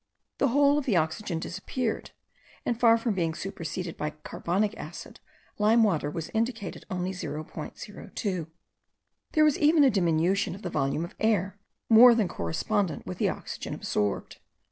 The whole of the oxygen disappeared; and, far from being superseded by carbonic acid, lime water indicated only 0.02. There was even a diminution of the volume of air, more than correspondent with the oxygen absorbed.